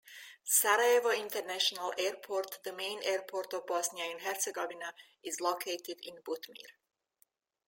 Sarajevo International Airport, the main airport of Bosnia and Herzegovina is located in Butmir.